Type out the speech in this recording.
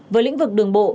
với lĩnh vực đường bộ